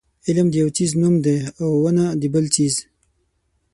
علم د یو څیز نوم دی او ونه د بل څیز.